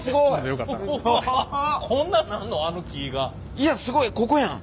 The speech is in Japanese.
いやすごいここやん！